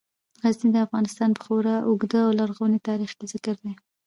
غزني د افغانستان په خورا اوږده او لرغوني تاریخ کې ذکر دی.